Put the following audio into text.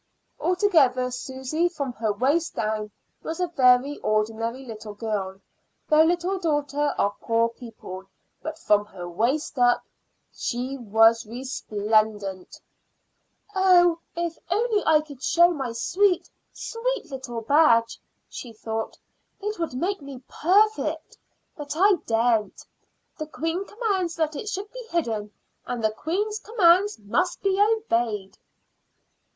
Altogether Susy from her waist down was a very ordinary little girl the little daughter of poor people; but from her waist up she was resplendent. "Oh! if I could only show my sweet, sweet little badge," she thought, "it would make me perfect. But I daren't. The queen commands that it should be hidden, and the queen's commands must be obeyed."